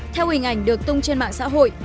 theo hình ảnh được tung trên mạng xã hội